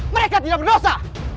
mereka tidak berdosa